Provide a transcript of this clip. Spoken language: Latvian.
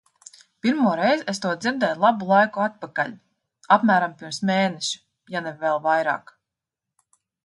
Pirmoreiz es to dzirdēju labu laiku atpakaļ, apmēram pirms mēneša, ja ne vēl vairāk.